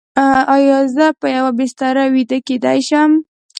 ایا زه په یوه بستر ویده کیدی شم؟